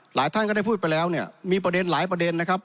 ท่านก็ได้พูดไปแล้วเนี่ยมีประเด็นหลายประเด็นนะครับ